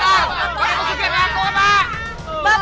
bapak pakai persugihan aku pak